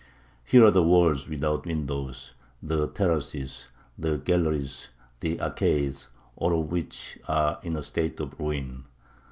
Here are the walls without windows, the terraces, the galleries, the arcades all of which are in a state of ruin.